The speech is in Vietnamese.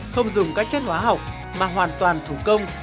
không dùng các chất hóa học mà hoàn toàn thủ công